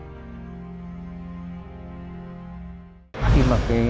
khi mà cái người này vào họ không có thẻ để họ lên trên tầng